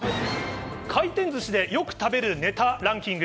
回転ずしでよく食べるネタランキング。